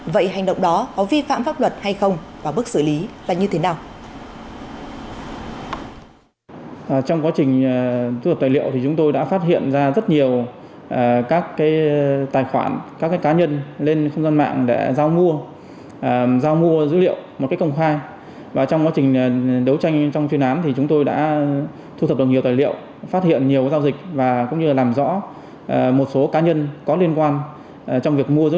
vậy hành động đó có vi phạm pháp luật hay không và bước xử lý là như thế nào